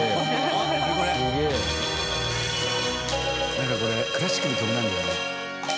なんかこれクラシックの曲なんだよね。